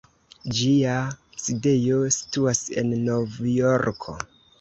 Ĝia sidejo situas en Novjorko.